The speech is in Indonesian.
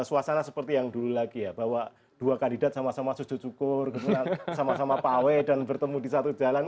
dan suasana seperti yang dulu lagi ya bahwa dua kandidat sama sama sujud cukur sama sama pawe dan bertemu di satu jalan